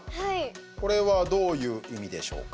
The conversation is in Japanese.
これはどういう意味でしょうか？